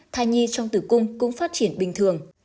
thai nhi trong tử cung cũng phát triển bình thường